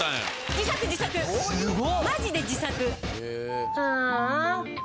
自作自作マジで自作。